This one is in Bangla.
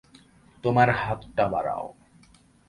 তোমার হাতটা বাঁড়াও!